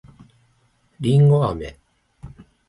りんごあめ